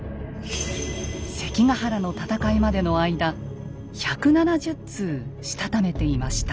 関ヶ原の戦いまでの間１７０通したためていました。